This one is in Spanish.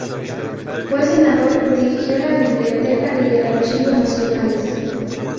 Fue Senador, dirigió la Biblioteca y el Archivo nacionales.